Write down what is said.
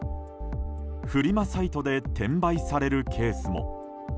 フリマサイトで転売されるケースも。